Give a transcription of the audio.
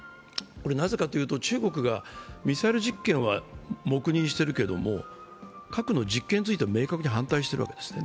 なぜかというと中国がミサイル実験は黙認してるけど核の実験については明確に反対しているわけですね。